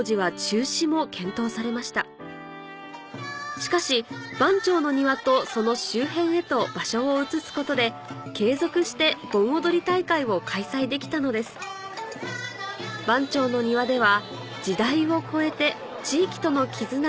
しかし「番町の庭」とその周辺へと場所を移すことで継続して盆踊り大会を開催できたのです番町の庭では